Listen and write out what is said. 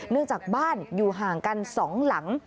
เนื่องจากบ้านอยู่ห่างกันสองหลัง